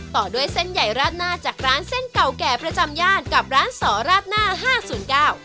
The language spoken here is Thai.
ต่อด้วยเส้นใหญ่ราดหน้าจากร้านเส้นเก่าแก่ประจำย่านกับร้านสอราดหน้าห้าศูนย์เก้า